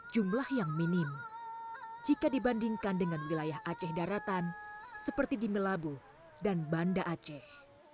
jumlah yang minim jika dibandingkan dengan wilayah aceh daratan seperti di melabu dan banda aceh